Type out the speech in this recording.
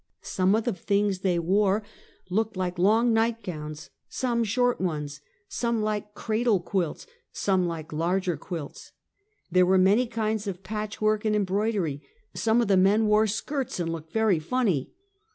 Some of the things they wore looked like long night gowns, some short ones; some like cra dle quilts, some like larger quilts. There were many kinds of patch work and embroidery; some of the men wore skirts and looked very funny.